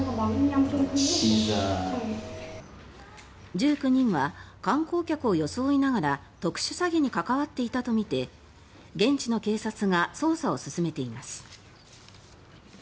１９人は観光客を装いながら特殊詐欺に関わっていたとみて現地の警察が捜査を進めています。